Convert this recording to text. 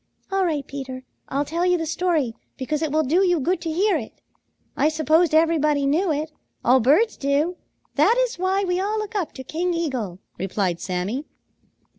"All right, Peter. I'll tell you the story, because it will do you good to hear it. I supposed everybody knew it. All birds do. That is why we all look up to King Eagle," replied Sammy.